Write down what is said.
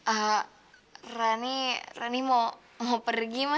ah rani rani mau mau pergi ma